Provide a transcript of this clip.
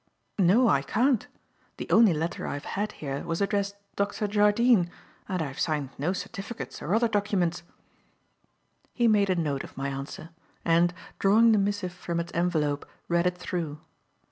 "No, I can't. The only letter I have had here was addressed 'Dr. Jardine', and I have signed no certificates or other documents." He made a note of my answer, and, drawing the missive from its envelope, read it through.